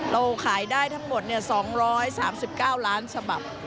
เราขายได้ทั้งหมด๒๓๙ล้านฉบับ